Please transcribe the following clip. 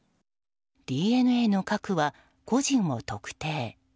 ＤＮＡの核は個人を特定。